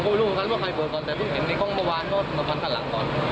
ผมก็ไม่รู้เหมือนกันว่าใครเปิดก่อนแต่ต้องเห็นในกล้องมะวานก็มาพันกันหลังก่อน